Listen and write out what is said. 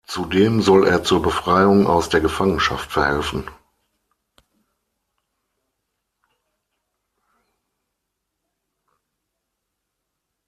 Zudem soll er zur Befreiung aus der Gefangenschaft verhelfen.